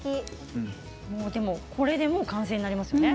これでもう完成になりますね。